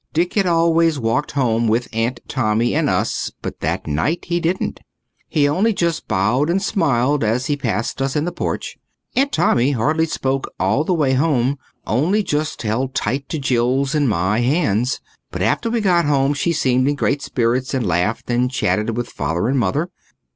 Dick had always walked home with Aunt Tommy and us, but that night he didn't. He only just bowed and smiled as he passed us in the porch. Aunt Tommy hardly spoke all the way home, only just held tight to Jill's and my hands. But after we got home she seemed in great spirits and laughed and chatted with Father and Mother.